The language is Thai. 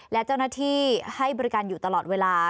และเจ้าหน้าที่ให้บริการอยู่ตลอดเวลา